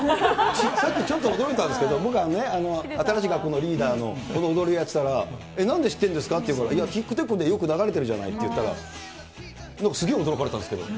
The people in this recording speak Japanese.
最近ちょっと驚いたんですけど、僕、新しい学校のリーダーのこの踊りやってたら、なんで知ってんですかっていうから、いや、ＴｉｋＴｏｋでよく流れてるじゃないって言ったら、なんかすげえ驚かれたんですけど。